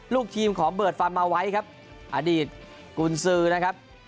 ลูกทีมของเบิร์ดฟันมาไว้ครับอดีตกุญซือนะครับ